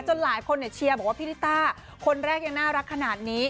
จนหลายคนเนี่ยเชียร์บอกว่าพี่ริต้าคนแรกน่ารักขนาดนี้